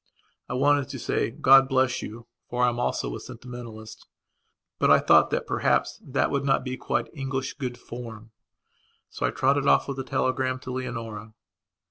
I wanted to say, "God bless you", for I also am a sentimentalist. But I thought that perhaps that would not be quite English good form, so I trotted off with the telegram to Leonora.